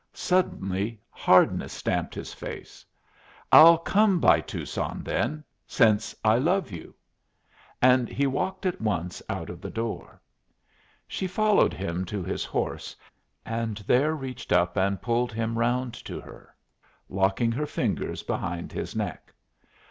Suddenly hardness stamped his face. "I'll come by Tucson, then since I love you!" And he walked at once out of the door. She followed him to his horse, and there reached up and pulled him round to her, locking her fingers behind his neck.